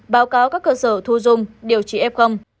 báo cáo các cơ sở thu dung điều trị f